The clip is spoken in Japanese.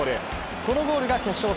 このゴールが決勝点。